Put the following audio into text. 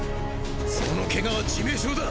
そのケガは致命傷だ。